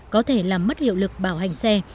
có thể làm mất hiệu lực bảo hành xe